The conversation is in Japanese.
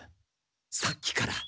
「さっき」から。